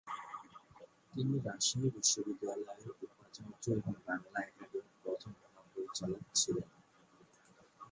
তিনি রাজশাহী বিশ্ববিদ্যালয়ের উপাচার্য এবং বাংলা একাডেমির প্রথম মহাপরিচালক ছিলেন।